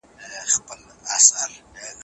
کميټي ولي جوړیږي؟